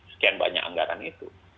kemudian banyak anggaran itu